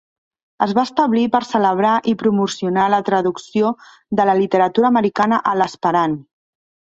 Es va establir per celebrar i promocionar la traducció de la literatura americana a l"esperant.